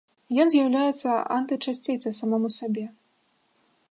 Ён з'яўляецца антычасціцай самому сабе.